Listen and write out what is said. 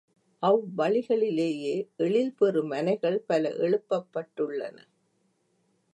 அவ்வழிகளிலேயே எழில்பெறு மனைகள் பல எழுப்பப்பட்டுள்ளன.